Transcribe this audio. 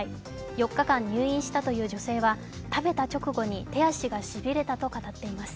４日間入院したという女性は食べた直後に手足がしびれたと語っています。